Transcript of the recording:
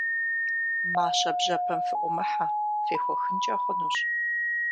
Мащэ бжьэпэм фыӏумыхьэ, фехуэхынкӏэ хъунущ.